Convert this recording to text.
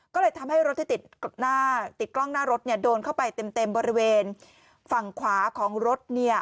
ก็เลยทำให้รถที่ติดกล้องหน้ารถโดนเข้าไปเต็มบริเวณฝั่งขวาของรถ